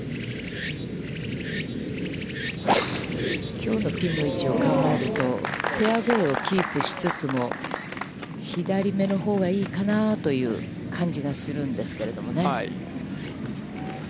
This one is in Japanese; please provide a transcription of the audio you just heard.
きょうのピンの位置を考えると、フェアウェイをキープしつつも、左めのほうがいいかなという感じがするんですけれどもね。